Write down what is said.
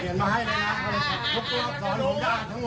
น้ำลงค่ะน้ำลง